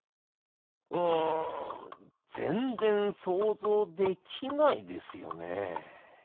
うんぜんぜんそうぞうできないですよね。